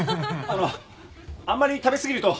あのあんまり食べ過ぎると